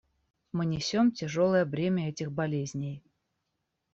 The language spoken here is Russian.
Мы несем тяжелое бремя этих болезней.